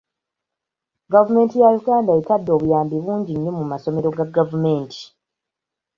Gavumenti ya Uganda etadde obuyambi bungi nnyo mu masomero ga gavumenti.